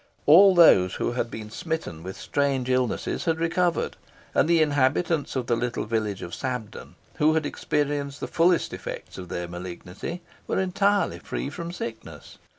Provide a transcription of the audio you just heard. All those who had been smitten with strange illnesses had recovered; and the inhabitants of the little village of Sabden, who had experienced the fullest effects of their malignity, were entirely free from sickness.